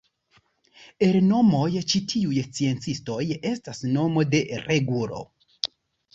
El nomoj ĉi tiuj sciencistoj estas nomo de regulo.